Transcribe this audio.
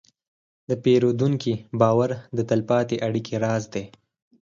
د پیرودونکي باور د تلپاتې اړیکې راز دی.